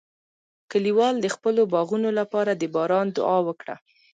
کلیوال د خپلو باغونو لپاره د باران دعا وکړه.